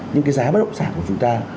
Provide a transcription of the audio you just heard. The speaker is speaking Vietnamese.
nhưng cái giá bất động sản của chúng ta